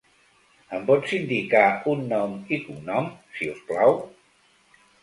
Em pots indicar un nom i cognom, si us plau?